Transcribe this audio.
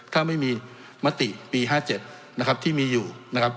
ถ้าไม่มีมติปี๕๗นะครับที่มีอยู่นะครับ